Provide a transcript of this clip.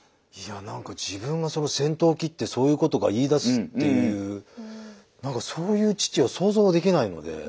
いや何か自分がその先頭を切ってそういうことが言いだすっていう何かそういう父を想像できないので。